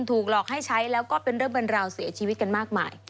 ถูกหลอกให้ใช้แล้วก็เป็นเรื่องบรรราวเสียชีวิตกันมากมาย